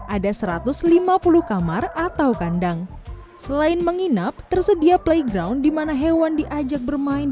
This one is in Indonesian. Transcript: ada satu ratus lima puluh kamar atau kandang selain menginap tersedia playground dimana hewan diajak bermain